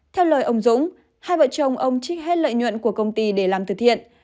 theo lời ông dũng hai vợ chồng ông trích hết lợi nhuận của công ty để làm từ thiện